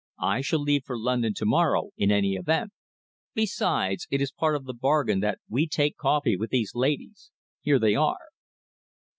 I shall leave for London tomorrow, in any event. Besides, it is part of the bargain that we take coffee with these ladies. Here they are."